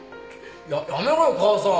ややめろよ母さん